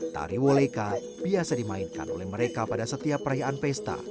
tari woleka biasa dimainkan oleh mereka pada setiap perayaan pesta